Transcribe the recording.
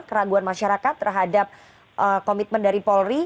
keraguan masyarakat terhadap komitmen dari polri